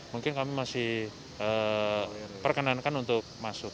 mungkin kami masih perkenankan untuk masuk